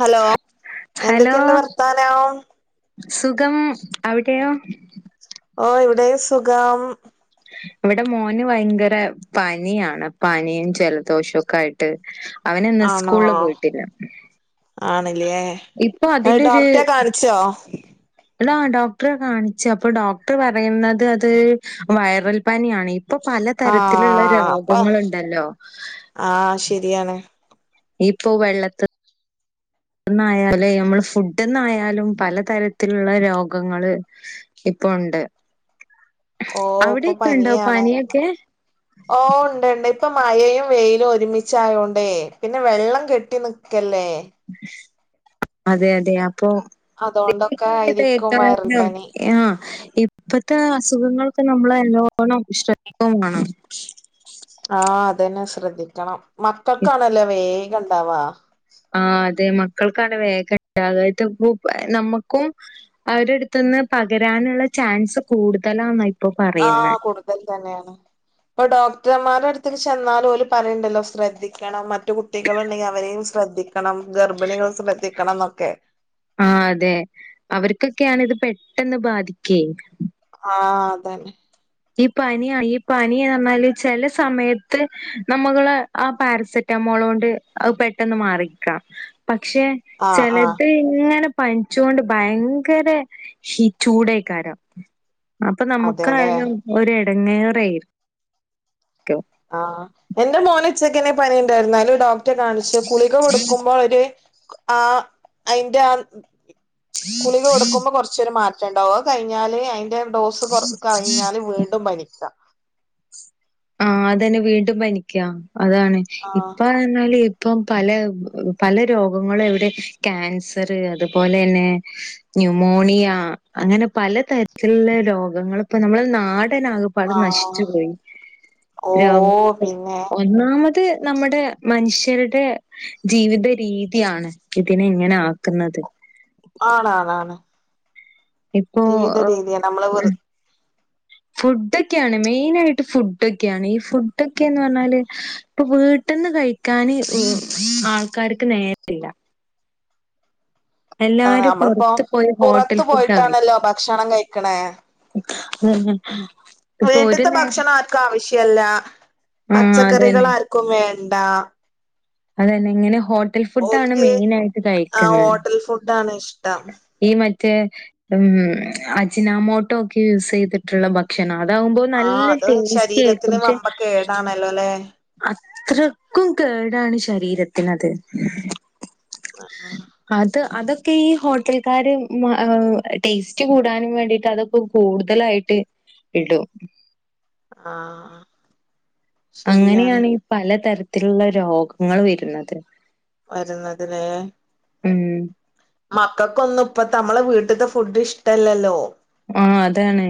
Hello hello എന്തൊക്കെയുണ്ട് വർത്താനോ? സുഖം. അവിടെയോ. ഓ ഇവിടെയും സുഖം. ഇവടെ മോന് ഭയങ്കര പനിയാണ്. പനിയും ജലദോഷവും ഒക്കെ ആയിട്ട് അവൻ ഇന്ന് സ്കൂളില് പോയിട്ടില്ല ആണല്ലേ ഇപ്പൊ അതിന്റെ ഡോക്റ്റരേ കാണിച്ചോ? ടാ ഡോക്ടറെ കാണിച്ചു അപ്പ ഡോക്ടർ പറയുന്നത് അത് വയറൽ പനിയാണേ ഇപ്പ പലതരത്തിലുള്ള ആഹ് അപ്പൊ രോഗങ്ങളുണ്ടല്ലോ. ആഹ് ശരിയാണ് ഇപ്പോ വെള്ളത്ത് ായാലേ നമ്മള് ഫുഡ്ന്നായാലും പലതരത്തിലുള്ള രോഗങ്ങള് ഉണ്ട് ഓ ഇപ്പൊ അവിടെയൊക്കെ ഉണ്ടോ പനിയാണ് പനിയൊക്കെ ഓ ഉണ്ട്ണ്ട് ഇപ്പൊ മഴയും വെയിലും ഒരുമിച്ചയോണ്ടേ പിന്നെ വെള്ളം കെട്ടി നിക്കല്ലേ അതെ അതെ അപ്പൊത്രം അതുകൊണ്ടൊക്കെ ആയിരിക്കും വൈറൽ പനി ആഹ ഇപ്പത്തെ അസുഖങ്ങൾക്ക് നമ്മൾ നല്ലോണം വിശ്രമിക്കും വേണം ആഹ് അതന്നെ ശ്രദ്ധിക്കണം മക്കൾക്കാണല്ലോ വേഗം ഇണ്ടാവാ ആഹ അത മക്കൾക്കാണ് വേഗം ഉണ്ടാവുക നമ്മൾക്കും അവരുടെ അടുത്തുനിന്ന് പകരം ചാൻസ് കൂടുതലാ ആഹ കൂടുതൽ തന്നെയാണ് ഇപ്പൊോക് പുറ്റന്മാരുടെ അടുത്തൽ ചെന്നാലും പോലും പറലയുണ്ടല്ലോ ശ്രദ്ധിക്കണം മറ്റു കുട്ടികളുണ്ടെങ്കിൽ അവരെയും ശ്രദ്ധിക്കണം ഗർഭിണികൾ ശ്രദ്ധിക്കണം എന്നൊക്കെ ആ അതെ അവർക്കൊക്കെയാണ് ഇത് പെട്ടെന്ന് ബാധിക്കുകയും ആഹ അതന്നെ ഈ പന ഈ പനിാല് ചില സമയത്ത് നമ്മ ആ പാരസെറ്റമോൾ മോളുണ്ട് അഅ് പെട്ടെന്ന് മാറിക്ക. പക്ഷേ ആഹ് ആഹ് ചെലത് ഇങ്ങനെ പനിച്ചൊണ്ട് ഭയങ്കര ചൂടായിക്കാരം അപ്പ അതെല്ലേ നമുക്കായാലും ഒരു ഇടങ്ങേറ് കരോക്കെ ആഹ എന്റെ മോൻ ഉച്ചക്കനെ പണിയുണ്ടായിരുന്നല് ഡോ ഒറ്റ കാണിച്ച് കുളിക കൊടുക്കുമ്പോൾ ഒരു ആ അതിറെ ആ കുളിക കൊടുക്കുമ്പോ കൊറച്ചര് മാറ്റം ഉണ്ടാവോ കഴിഞ്ഞാല് അ ഡോസ് കൊറ കഴിഞ്ഞാല് വീണ്ടും പനിക്ക് ആ അതന്നെ വീണ്ടും പനിക്കാം അതാണ് ആഹ് ഇപ്പ എന്നാല് ഇപ്പം പല പല രോഗങ്ങളും എവിടെ ക്യാൻസർ അതുപോലെന്നെ ന്യൂുമോണിയ അങ്ങനെ പലതരത്തിലുള്ള രോഗങ്ങള് ഇപ്പോ നമ്മൾ നാട് ാക പാട നശിച്ചു ആഹ് പോയി ഓ രോഗ പിന്നെ ഒന്ന നത് നമ്മുടെ മനുഷ്യരുടെ ജീവിത രീതിയാണ് ഇതിനെ ഇങ്ങനെ ആക്കുന്നത് ന്നത് ആണണ ആാണ് ഇപ്പോ ജീവിത രീതിയ നമ്മള് വെറു ഫുഡൊക്കെയാണ് മെയിന ആയിട്ട് ഫുഡൊക്കെയാണ് ഈ ഫുഡൊക്കെന്ന് പറഞ്ഞാല് ഇപ്പൊ വീട്ടിൽന്ന് കഴിക്കാൻ ആൾക്കാർക്ക് നേരില്ല അതാണ് എല്ലാരും നമ്മളിപ്പോ പൊറത്ത് പോയി ഹോട്ടൽ പുറത്തു ഫുഡ ആ പോയിട്ടാണല്ലോ ഭക്ഷണം കഴിക്കണേ ഉം വീട്ടത്തെ ഭക്ഷണം ആർക്കും ആവശ്യല്ല ആഹ് അതന്നെ പച്ചക്കറികൾ ആർക്കും വേണ്ട എണ്ട അതന്നെ എങ്ങനെ ഹോട്ടൽ ഫുഡ ആണ് ഓൽക്ക് മെയിൻ ആയിട്ട് ആ കഴിക്കുന്നത് ഹോട്ടൽ ഫുഡാണ് ഇഷ്ടം ഈ മറ്റ മറ്റേ ഉ അജിനാമോട്ടോ ഒക്കെ യൂസ് ചെയ്തിട്ടുള്ള ഭക്ഷണം ഇതകുമ്പോ ആഹ് നല്ല അത് ടേസ്റ്റി ശരീരത്തിന് ആയിരിക്കും പക്ഷെ വമ്പ കേടാണല്ലോ ല്ലേ എത്രക്കും കേടാണ് ശരീരത്തിനത് അത് അതൊ ഈ ഹോട്ടൽക്കാര് ടേസ്റ്റ് കൂടാനും വേണ്ടിട്ട് അതൊക്കെ കൂടുതലായിട്ട് ഇടു ആഹ അങ്ങനെയാണ് ഈ പലതരത്തിലുള്ള രോഗങ്ങൾ വരുന്നത് വരുന്നതിലേ ഉം മക്കൾക്കൊന്നും ഇപ്പ നമ്മളെ വീട്ടത്തെ ഫുഡ് ഇഷ്ടല്ലല്ലോ ആ അതാണ്.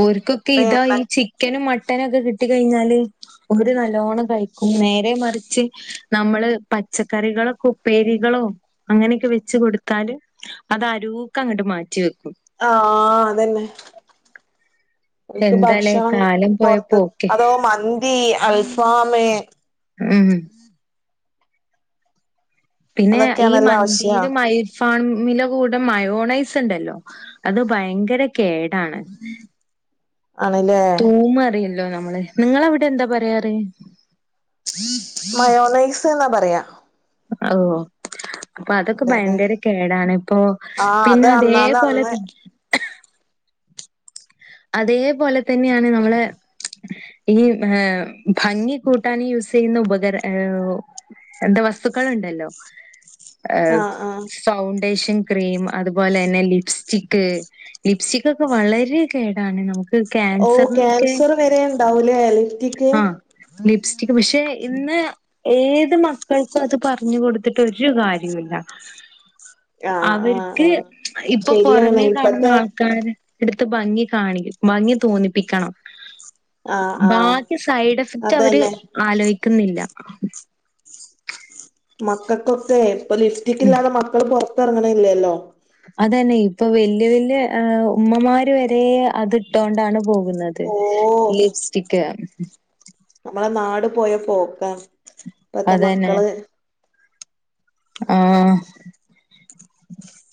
ഓര്ക്കൊക്കെ ഇപ്പ ഇതാ ഈ എണ്ണ ചിക്കനും മ ട്ടനൊക്കെ കിട്ടി കയിഞ്ഞാല് ഓര് നല്ലോണം കഴിക്കും. നേരെ മറിച്ച് നമ്മള് പച്ചക്കറികളക്കെ ഉപ്പേരികൾ ളോ അങ്ങനെയൊക്കെ വെച്ച് കൊടുത്താല് അത് അരൂക്കങ്ങട് മാറ്റി വെക്കും. ആ അതന്നെ ഓര്ക്ക് എന്താലേ ഭക്ഷണം കാലം പോയ പൊറത്ത് പോക്കെ അതോ മന്തി അൽഫാമ് ഉം പിന്നെ ഈ അതൊക്കെയാണല്ലോ മന്തിലു ആവശ്യം മയ് ഫാമില കൂട മയോണൈസ് ഉണ്ടല്ലോ അത് ഭയങ്കര കേടാണ് ആണല്ലേ ല്ലോമ്മള് ഇങ്ങളവിടെ എന്താ പറയാറ്? മയോണൈസ് എന്നാ പറയാ ഓ അപ്പ അതൊക്കെ അതെല്ലെ ഭയങ്കര കേടാണ്. ഇപ്പോ ആഹ് അത് പിന്നെ അന്നാന്ന് അതേപോലെ അന്ന് അതേപോലെ തന്നെയാണ് നമ്മളെ ഈ ഭംഗി കൂട്ടാന യൂസ് ചെയ്യുന്ന ഉപകര ഏ ഉ എന്താ വസ്തുക്കള് ണ്ടല്ലോ ഏഹ് ആഹ് ആഹ് സൗ ഫൗണ്ടേഷൻ ക്രീം അതുപോലെന്നെ ലിപ്സ്റ്റിക്ക് ലിപ്സ്റ്റിക്ക് ഒക്കെ വളരെ കേടാണ് നമുക്ക് ഓ ക്യാൻസറിനൊക്കെ ക്യാൻസർ വരെ ഉണ്ടാവൂലേ ലിഫ്റ്റിക്ക് ആ ലിപ്സ്റ്റിക് പക്ഷേ ഇന്ന് ഏത് മക്കൾക്കും അത് പറഞ്ഞു കൊടുത്തിട്ടൊരു കാര്യൂല്ല. ആഹ് ആഹ് അവർക്ക് ആഹ് ഇപ്പ ശരിയാണ് പുറമേ കാണുന്ന ഇപ്പത്തെ ആൾക്കാര് എടു ത്ത് ഭംഗി കാണി ഭംഗി തോന്നിപ്പിക്കണം ആഹ് ആഹ് ബാക്കി സൈഡ് എഫക്ട് അവര് അതന്നെ ആലോയി ക്കുന്നില്ല മക്കക്കൊക്കെ ഇപ്പ ലിഫ്റ്റിക്കില്ലാതെ മക്കള് പൊറത്തെറങ്ങ്‌ണ്ല്ലല്ലോ അതാണേ ഇപ്പ വല്യ വല്യ ആ ഉമ്മമാര് വരേ അത് ഇട്ടോണ്ടാണ് പോകുന്നത് ഓ ലിപ് സ്റ്റിക്ക് നമ്മളെ നാട് പോയ പോക്കാ. ഇപ്പത്തെ മക്കള് ആ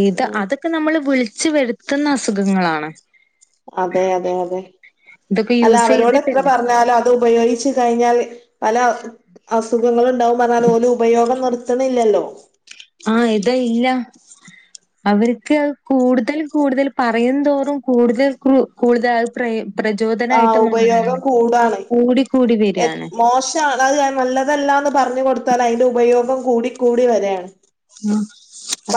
ഇത് ഉം അതൊക്കെ നമ്മൾ വിള് ച്ച് വരുത്തുന്ന അസുഖങ്ങളാണ് അതെ അതെ അതെ ഇതൊക്കെ അല്ല യൂസ് അവരോട് എത്ര ചെയ്തിട്ടില്ല. പറഞ്ഞാലും അത് ഉപയോഗിച്ച് കഴിഞ്ഞവര് പല അസുഖങ്ങള്ണ്ടാവും പറഞ്ഞാലും അത് ഓല് ഉപയോഗം നിർത്തണില്ലല്ലോ. ആഹ് ഇത് ഇല്ല. [unintelligible] അവർക്ക് കൂടുതൽ കൂടുതൽ പറയും തോറും കൂടുതൽ കൂടുതൽ അത് പ്രയോ ആ ഉപയോഗം കൂടാണേ. കൂടിക്കൂടി ഏ വരാണ്. മോശാണ് അത് നല്ലതല്ല ന്ന് പറഞ്ഞ് കൊടുത്താലും അയിന്റെ ഉപയോഗം കൂടിക്കൂടി വരാണ്. ആഹ്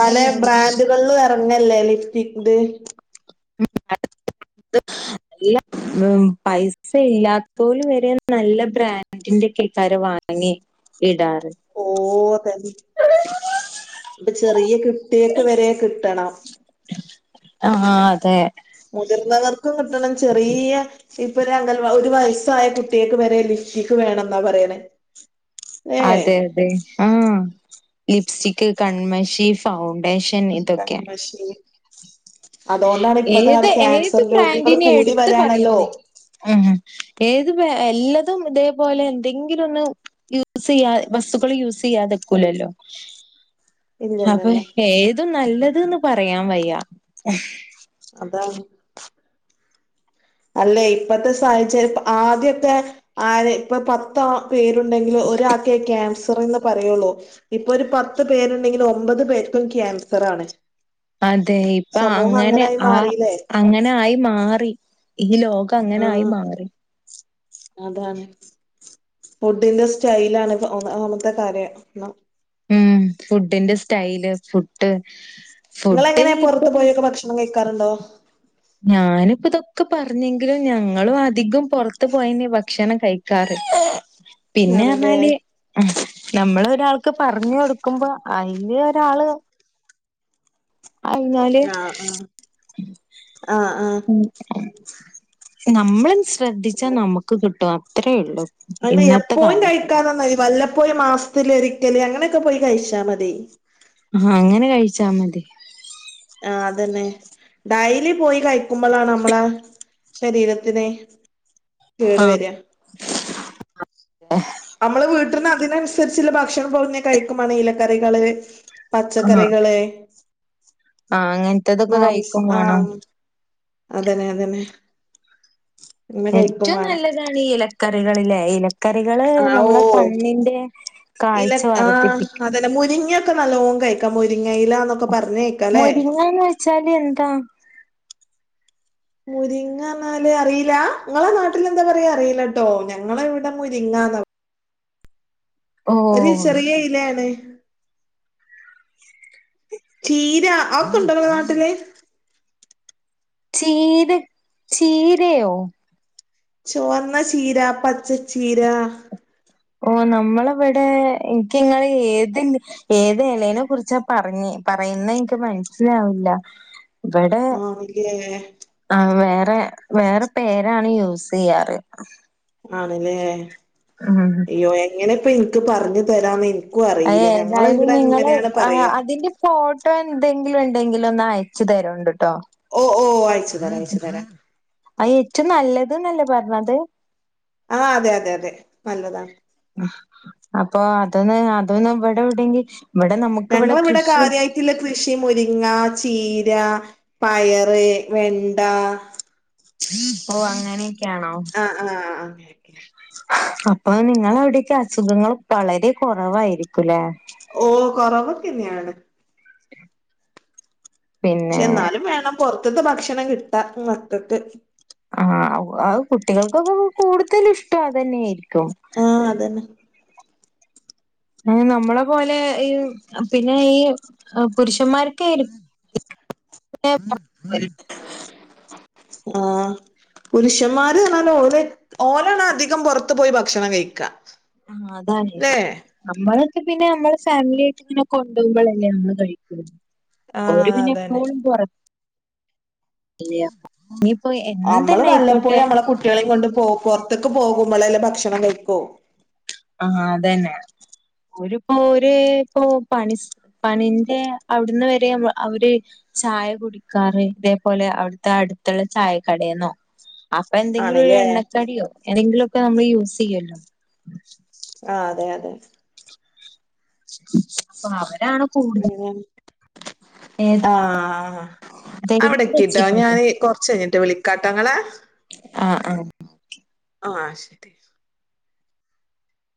പല ബ്രാൻഡുകളിലും എറങ്ങല്ലേ ലിപ്സ്റ്റിക്ക് ദ് [unintelligible] അ ഇല്ല പൈസ ഇല്ലാത്തോല് വരെ നല്ല ബ്രാൻഡിന്റെക്കെ ആരോ വാങ്ങി വാങ്ങി ഇടാറ് ഓ ഇപ്പൊ ചെറിയ കുട്ടിയാക്ക് വരെ കിട്ടണം ആഹ് ആഹ് അതെ മുതിർന്നവർക്കും കിട്ടണം ചെറിയ ഇപ്പൊ ഒരു അംഗൻവാ ഒരു വയസായ കുട്ടികൾക്ക് വരെ ലിപ്സ്റ്റിക് വേണോന്നാ പറയണെ അതെ അതെ ആ ലിപ്സ്റ്റിക്ക് കൺമഷി ഫൗണ്ടേഷൻ ഇതൊക്കെ. കൺമഷി അതോണ്ടാണ് ഇപ്പഴത്തെ ഏത് കാലത്ത് ഏത് ക്യാൻസർ രോഗികള് ബ്രാൻഡിനെ കൂടി എടുത്ത് വരാണല്ലോ പറയുന്നേ ഉം ഏത് എല്ലതും ഇതേപോലെ എന്തെങ്കിലും ഒന്ന് യൂസ് ചെയ്യാ വസ്തുക്കള് യൂസ് ചെയ്യാതിക്കൂല്ലല്ലോ അപ്പൊ ഇല്ലല്ലല്ല ഏത് നല്ലതെന്ന് പറയാൻ വയ്യ അതാണ് അല്ലെ ഇപ്പത്തെ സാഹചര്യം ആദ്യവൊക്കെ ആര് ഇപ്പൊ പത്താ പേരുണ്ടെങ്കില് ഒരാക്കെ ക്യാൻ സറെന്ന് പറയൂള്ളൂ ഇപ്പൊ ഒരു പത്ത് പേരുണ്ടെങ്കില് ഒമ്പത് പേർക്കും ക്യാൻസറാണ് അതെ ഇപ്പൊ അങ്ങനെ ആ മാറില്ലേ അങ്ങനെ ആയി മാറി ഈ ലോ കം അങ്ങനെ ആയി ആഹ് മാറി അതാണ് ഫുഡിന്റെ സ്റ്റൈലാണ് ഇപ്പം ഒന്നാമത്തെ കാര്യം എന്നാ ഉം ഫുഡിന്റെ സ്റ്റൈല് ഫുഡ് ഫുഡ് ഇങ്ങളെനാ പൊറത്ത് പോയൊക്കെ ഭക്ഷണം കഴിക്കാറുണ്ടോ ഞാനിപ്പോ ഇതൊക്കെ പറഞ്ഞെങ്കിലും ഞങ്ങളും അധികം പൊറത്ത് പോയന്നെയാ ഭക്ഷണം കഴിക്കാറ് പിന്നെ ആണല്ലേ പറഞ്ഞാല് നമ്മള് ഒരാൾ ക്ക് പറഞ്ഞ് കൊടുക്കുമ്പോ ഐല് ഒരാള് അഞ്ഞാല് ആഹ് ആഹ് ആഹ് ആഹ് നമ്മള് ശ്രദ്ധിച്ചാ നമ്ക്ക് കിട്ടും അത്രേള്ളു അതന്നെ എപ്പോഴും കഴിക്കാതന്നാതി വല്ല പ്പോഴും മാസ്ത്തിലൊരിക്കല് അങ്ങനൊക്കെ പോയി കഴിച്ചാമതി ആ അങ്ങനെ കഴിച്ചാ മതി ആ അതെന്നെ ഡൈലി പോയി കഴിക്കുമ്പളാണ് അമ്മളാ ശരീരത്തിന് കേട് വരിക ആഹ് അതെ നമ്മള് വീട്ടിൽന്ന് അതിനൻസര്ച്ച്ള്ള ഭക്ഷണം പകുതിം കഴിക്കുമ്പാണേ ഇലക്കറികള് ആഹ് പച്ചക്കറികള് ആഹ് അങ്ങനത്തതൊക്കെ മാംസ കഴിക്കും വേണം. ആഹ് അതന്നെ അതന്നെ ഇങ്ങനെ കഴിക്കും ഏറ്റവും വേണം നല്ലതാണ് ഈ ഇലക്കറികളിലേ ഇല കക്കറികള് ആഹ് നമ്മളെ ഓഹ് കണ്ണിന്റെ കാഴ്ച വർധിപ്പിക്കും നല്ലോം കഴിക്കാ മുരിങ്ങയിലന്നൊക്കെ മുരിങ്ങന്ന് വെച്ചാല് എന്താ മുരിങ്ങ അർഞ്ഞാല് അറീലാ ഇങ്ങളെ നാട്ടിലെന്താ പറയാ അറീലട്ടോ ഞങ്ങളെ ഇവിടെ മുരിങ്ങ ആന്നോ ഒരു ഓഹ് ചെറിയ ഇലേണ് ചീര ആക്കൊണ്ടോ ഇങ്ങളെ നാട്ടില് ചീര ചീരയോ ചുവന്ന ചീര പച്ചച്ചീര ഓ നമ്മളവടെ ഇൻക്ക് ഇങ്ങള് ഏത് ഏത് എലനെ കുർച്ചാ പറഞ്ഞേ പറയുന്നെ ഇൻക്ക് മനസിലാവില്ല ഇവടെ ആണല്ലേ ആ വേ വേറെ പേരാണ് യൂസ് ചെയ്യാറ് ആണ് ലേ ഉം അയ്യോ എങ്ങനെപ്പ ഇൻക്ക് പർഞ്ഞ് തരാന്ന് അതെ അറിയില്ല ഞങ്ങള് ഏതായാലും ഇവിടെ ഇങ്ങള് ഇങ്ങനെയാണ് പറയാ അതിന്റെ ഫോ ട്ടോ എന്തെങ്കിലും ഇണ്ടെങ്കിലൊന്ന് അയച്ചു തരോണ്ട് ഓ ഓ അയച്ചു തരാ അയച്ചു തരാ അ ഏറ്റോം നല്ലത് ന്നല്ലേ പറഞ്ഞത് ആഹ് അതെ അതെ അതെ നല്ലതാണ് അപ്പൊ അതൊന്ന് അതൊന്ന് ഇവിടെ എവിടെങ്കി ഇവിടെ നമുക്കിവിടെ ഞങ്ങളെ ഇവടെ കൃഷി കാര്യായിട്ട്ള്ള കൃഷി മുരിങ്ങ ചീ ര പയറ് വെണ്ട ഓ അങ്ങനെ ആ ആ അങ്ങനെയൊക്കെയാണ് അപ്പൊ നിങ്ങള അവിടേക്ക് അസുഖങ്ങൾ വളരെ കുറവായിരിക്കുംലേ ഓ കുറവക്കന്നെയാണ് പിന്നെ പക്ഷെ എന്നാലും വേണം പൊറത്തത്തെ ഭക്ഷണം കിട്ടാ മക്കൾക്ക് ആ കുട്ടികൾക്കൊക്കെ കൂടുതല് ഇഷ്ട അതന്നെയ ആ അതന്നെ ആ നമ്മളെ പോലെ ഈ പിന്നെ ഈ പുരുഷന്മാർ [unintelligible] ആ പുരുഷന്മാരെ ഓല ഓലണ് അധികം പുറത്തു പോയി ഭക്ഷണം കഴിക്കാ ആ അതാണ് ല്ലേ നമ്മള് പിന്നെ നമ്മള് ഫാമിലി ആയിട്ട് ഇങ്ങനെ കൊണ്ടുപകുമ്പോളല്ലെ നമ്മള് കഴിക്കൊള്ളൂ ഓല് ആഹ് പിന്നെ അതന്നെ എപ്പോഴും പുറ ഇനിയിപ്പോ നമ്മള് എന്തെന്നെ വല്ലപ്പോയി ആയിക്കോട്ടെ നമ്മളെ കുട്ടികളെയും കൊണ്ട് പൊറത്ത്ക്ക് പോകുമ്പോളെല്ലെ ഭക്ഷണം കഴിക്കോ ഓല് പ്പോ ഒര് ഇപ്പോ പണി പണിന്റെ അവിടുന്ന് വരെ അവര് ചായ കുടിക്കാറ് ഇതേപോലെ അവിടുത്തെ അടുത്തുള്ള ചായ കടന്നോ അപ്പൊ എന്തെങ്കിലും ഒരു ആണ്ല്ലേ എണ്ണക്കടിയോ ഏതെങ്കിലു ഒക്കെ നമ്മള് യൂസ് ചെയ്യല്ലോ ആ അതെ അതെ അപ്പൊ അവരാണ് കൂടുതൽ ഏതാ ആ ദൈവം അവിടക്കെട്ടോ രക്ഷിക്കട്ടെ ഞാന് കൊറച്ച് കഴിഞ്ഞി ട്ട് വിളിക്കാട്ടെങ്ങളെ ആ ആ ആ ശരി